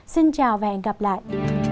xin chào và hẹn gặp lại